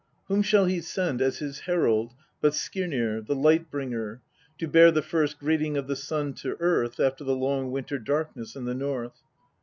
Whom shall he send as his herald but Skirnir, the Light bringer, to bear the first greeting of the Sun to Earth after the long winter darkness in the North